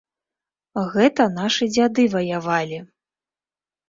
Гэта нашы дзяды ваявалі.